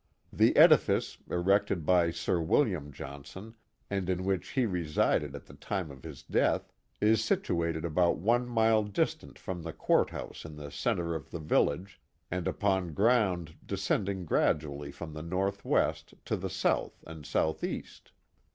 The edifice, erected by Sir William Johnson, and in which he resided at the time6f his death, is situated about one mile distant from the courthouse in the centre of the village, and upon ground descending gradually from the northwest to the south and southeast.